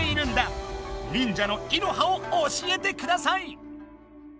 忍者のイロハを教えてください！